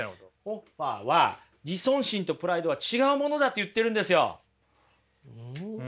ホッファーは自尊心とプライドは違うものだと言ってるんですよ。